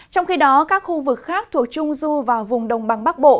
trong khi đó các khu vực khác thuộc trung du và vùng đông bắc bộ